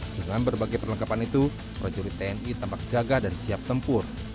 dengan berbagai perlengkapan itu prajurit tni tampak jaga dan siap tempur